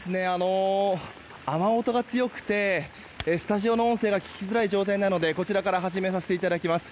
雨音が強くてスタジオの音声が聞きづらい状況なのでこちらから始めさせていただきます。